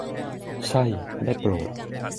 ใช่ได้โปรด !